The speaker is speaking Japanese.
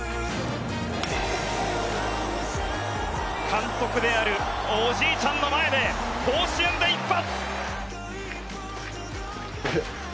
監督であるおじいちゃんの前で甲子園で一発！